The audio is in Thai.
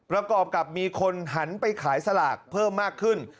ประกอบกับมีคนหันไปขายสลากเพิ่มมากขึ้น